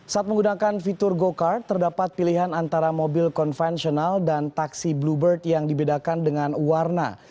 saat menggunakan fitur gocar terdapat pilihan antara mobil konvensional dan taksi bluebird yang dibedakan dengan warna